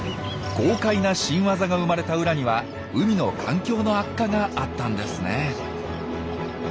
豪快な新ワザが生まれたウラには海の環境の悪化があったんですね。